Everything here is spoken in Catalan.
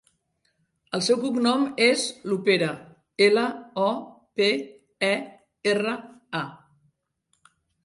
El seu cognom és Lopera: ela, o, pe, e, erra, a.